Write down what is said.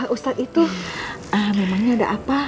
ustadz itu memangnya ada apa